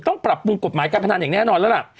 ต้องปรับปรุงกฎหมายการพนันอย่างแน่นอนแล้วล่ะ